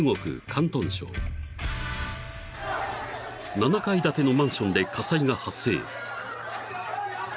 ［７階建てのマンションで火災が発生］